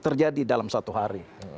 terjadi dalam satu hari